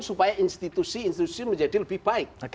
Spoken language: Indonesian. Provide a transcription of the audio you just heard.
supaya institusi institusi menjadi lebih baik